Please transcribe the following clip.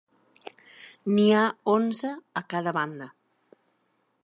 N'hi ha onze a cada banda.